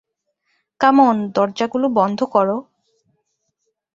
কাম on, দরজা গুলো বন্ধ কর।